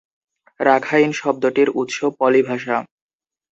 Rakhine শব্দটির উৎস পলি ভাষা।